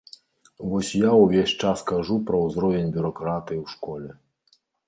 Вось я ўвесь час кажу пра ўзровень бюракратыі ў школе.